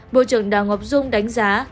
bộ trưởng đào ngọc dung đánh giá